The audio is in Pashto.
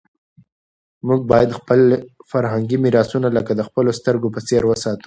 موږ باید خپل فرهنګي میراثونه لکه د خپلو سترګو په څېر وساتو.